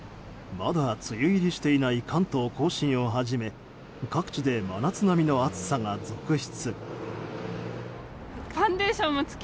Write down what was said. まだ梅雨入りしていない関東・甲信をはじめ各地で真夏並みの暑さが続出。